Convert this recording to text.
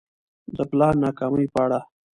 د پلان ناکامي په اړه